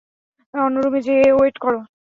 অন্য রুমে যেয়ে ওয়েট কর।